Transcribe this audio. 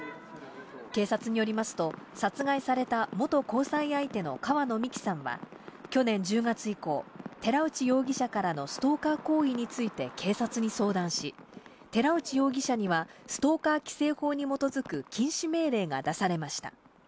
警察によりますと、殺害された元交際相手の川野美樹さんは去年１０月以降、寺内容疑者からのストーカー行為について警察に相談し、寺内容疑者にはストーカー規制法に基づく禁止命令が出されました。